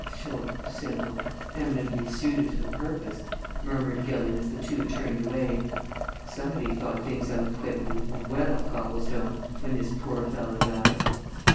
"Short, simple, eminently suited to the purpose," murmured Gilling as the two turned away. "Somebody thought things out quickly and well, Copplestone, when this poor fellow died.